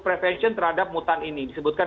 prevention terhadap mutan ini disebutkan